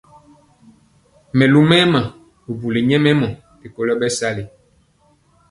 Mɛlumɛma bubuli nyɛmemɔ rikolo bɛsali.